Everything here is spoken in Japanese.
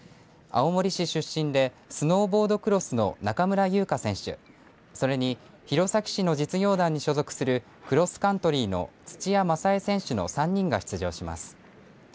青森市出身でスノーボードクロスの中村優花選手それに弘前市の実業団に所属するクロスカントリーの土屋正恵選手の３人が出場します。